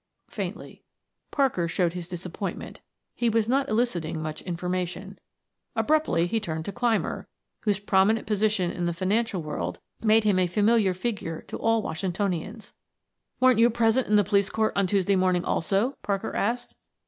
faintly. Parker showed his disappointment; he was not eliciting much information. Abruptly he turned to Clymer, whose prominent position in the financial world made him a familiar figure to all Washingtonians. "Weren't you present in the police court on Tuesday morning also?" Parker asked.